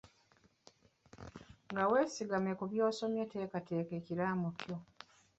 Nga weesigamye ku byosomye teekateeka ekiraamo kyo.